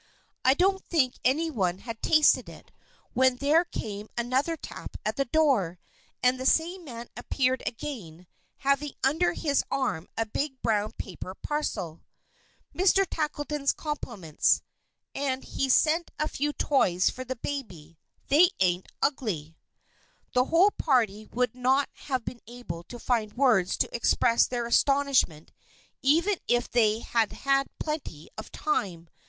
I don't think any one had tasted it, when there came another tap at the door, and the same man appeared again, having under his arm a big brown paper parcel. "Mr. Tackleton's compliments, and he's sent a few toys for the baby. They ain't ugly." The whole party would not have been able to find words to express their astonishment even if they had had plenty of time.